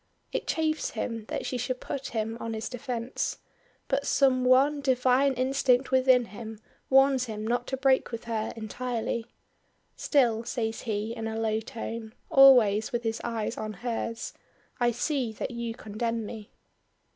It chafes him that she should put him on his defence; but some one divine instinct within him warns him not to break with her entirely. "Still," says he, in a low tone, always with his eyes on hers, "I see that you condemn me."